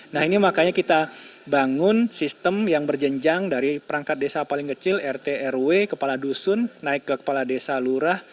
nah ini makanya kita bangun sistem yang berjenjang dari perangkat desa paling kecil rt rw kepala dusun naik ke kepala desa lurah